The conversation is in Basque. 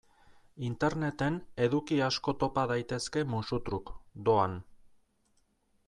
Interneten eduki asko topa daitezke musu-truk, doan.